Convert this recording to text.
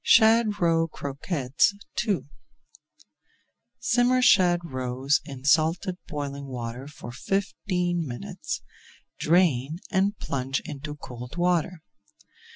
SHAD ROE CROQUETTES II Simmer shad roes in salted boiling water for [Page 346] fifteen minutes, drain, and plunge into cold water.